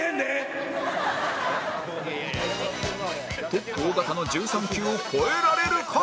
トップ尾形の１３球を超えられるか？